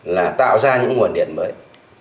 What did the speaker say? là tạo ra những nguồn điện mới